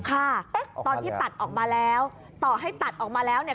เอ๊ะตอนที่ตัดออกมาแล้วต่อให้ตัดออกมาแล้วเนี่ย